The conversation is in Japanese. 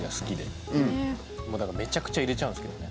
もうだからめちゃくちゃ入れちゃうんですけどね。